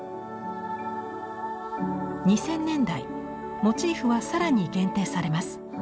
２０００年代モチーフは更に限定されます。